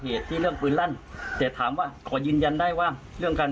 เหตุที่เรื่องปืนลั่นแต่ถามว่าขอยืนยันได้ว่าเรื่องการ